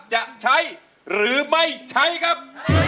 จะใช้หรือไม่ใช้ครับ